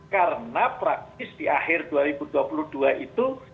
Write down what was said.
karena praktis di akhir dua ribu dua puluh dua itu